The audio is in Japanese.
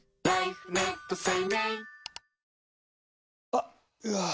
あっ、うわー。